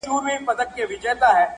چي راتلونکې سياسي هايبريډيټي